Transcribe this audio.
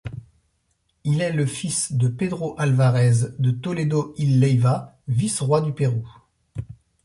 Il est le fils de Pedro Álvarez de Toledo y Leiva, vice-roi du Pérou.